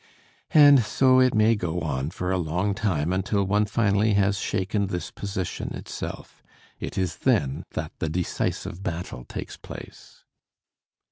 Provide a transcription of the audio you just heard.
And so it may go on for a long time until one finally has shaken this position itself; it is then that the decisive battle takes place.